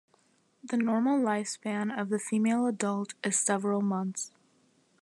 The normal life span of the female adult is several months.